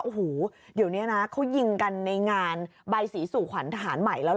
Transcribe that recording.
โอ้โหเดี๋ยวนี้นะเขายิงกันในงานใบสีสู่ขวัญทหารใหม่แล้ว